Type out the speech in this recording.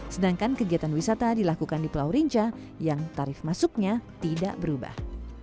sedangkan kegiatan wisata dilakukan di pulau rinca yang tarif masuknya tidak berubah